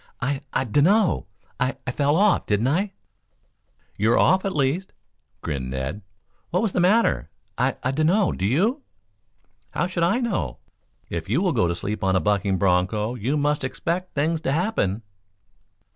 "I I dunno, I I fell off, didn't I?" "You're off, at least," grinned Ned. "What was the matter?" "I I dunno; do you?" "How should I know? If you will go to sleep an a bucking broncho, you must expect things to happen."